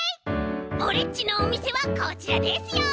オレっちのおみせはこちらですよ。